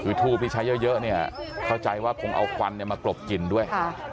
คือทูบที่ใช้เยอะเนี่ยเข้าใจว่าคงเอาควันมากลบกินด้วย